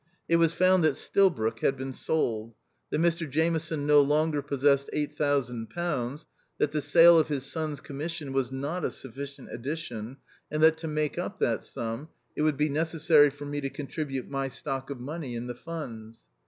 It was found that Stilbroke had been sold; that Mr Jameson no longer possessed eight thou sand pounds, that the sale of his son's commis sion was not a sufficient addition, and that to make up that sum, it would be necessary for me to contribute my stock of money in the funds.